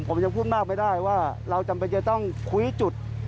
ผมยังพูดมากไม่ได้ว่าเราจำเป็นจะต้องคุยจุด